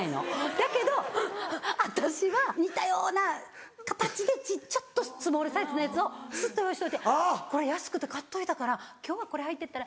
だけど私は似たような形でちょっとスモールサイズのやつをスッと用意しといて「これ安くて買っといたから今日はこれはいてったら？」。